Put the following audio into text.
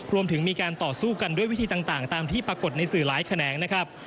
รวมถึงมีการต่อสู้กันด้วยวิธีต่างตามที่ปรากฏในสื่อหลายแขนงนะครับ